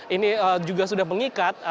ini juga sudah mengikat